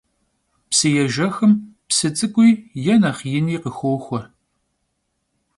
Psıêjjexım psı ts'ık'ui yê nexh yini khıxoxue.